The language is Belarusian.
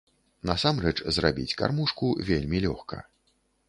Насамрэч, зрабіць кармушку вельмі лёгка.